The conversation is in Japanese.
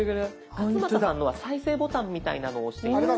勝俣さんのは再生ボタンみたいなのを押して頂くと。